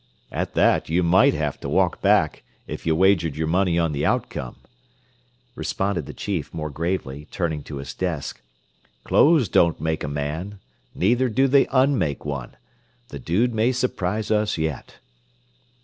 "At that, you might have to walk back, if you wagered your money on the outcome," responded the chief more gravely, turning to his desk. "Clothes don't make a man neither do they un make one. The 'Dude' may surprise us yet."